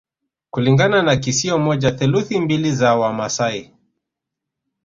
Kulingana na kisio moja theluthi mbili za Wamaasai